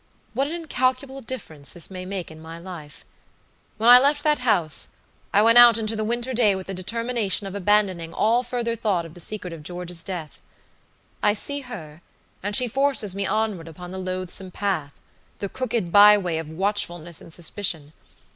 What an incalculable difference this may make in my life. When I left that house, I went out into the winter day with the determination of abandoning all further thought of the secret of George's death. I see her, and she forces me onward upon the loathsome paththe crooked by way of watchfulness and suspicion.